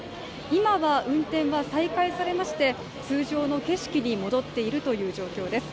今は運転は再開されまして通常の景色に戻っているという状況です。